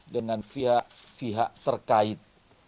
dengan pihak pihak terkait